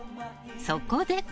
そこで。